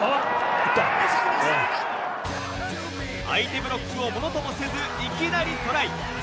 相手ブロックをものともせず、いきなりトライ。